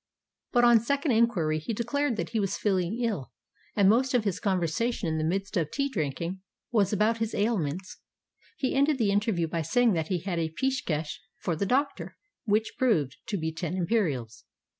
but on second inquiry he declared that he was feeling ill, and most of his conver sation in the midst of tea drinking was about his ail ments. He ended the interview by saying that he had a peeshkesh for the doctor, which proved to be ten im perials.